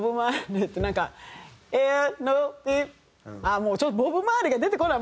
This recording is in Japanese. もうちょっとボブ・マーリーが出てこない！